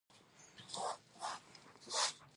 خو داسې خبرې به وکي چې د مذهبي کړيو قهر وپاروي.